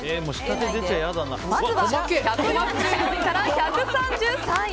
まずは１４４位から１３３位。